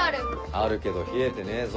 あるけど冷えてねえぞ。